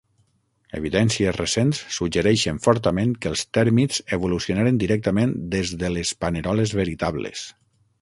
Evidències recents suggereixen fortament que els tèrmits evolucionaren directament des de les paneroles veritables.